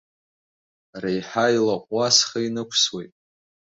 Реиҳа илаҟәуа схы инықәсуеит.